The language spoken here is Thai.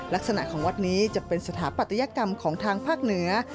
ลักษณะของวัดนี้จะเป็นสถาปัตยกรรมของทางภาคเหนือ